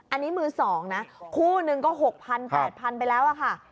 อันนี้มือสองนะคู่หนึ่งก็หกพันแปดพันไปแล้วอ่ะค่ะ